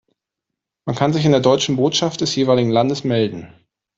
Man kann sich in der deutschen Botschaft des jeweiligen Landes melden.